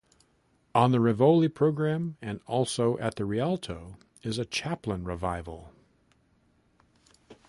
On the Rivoli program, and also at the Rialto, is a Chaplin revival.